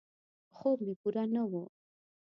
خوب مې پوره نه و.